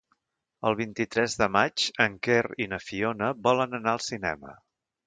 El vint-i-tres de maig en Quer i na Fiona volen anar al cinema.